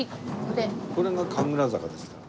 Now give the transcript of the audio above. これが神楽坂です。